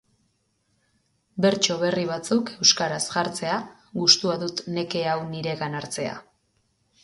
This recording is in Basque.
Bertso berri batzuk euskaraz jartzea, gustua dut neke hau niregan hartzea.